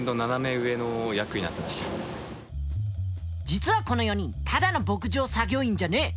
実はこの４人ただの牧場作業員じゃねえ。